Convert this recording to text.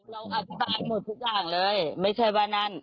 อธิบายหมดทุกอย่างเลยไม่ใช่ว่านั่น